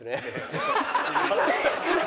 ハハハハ！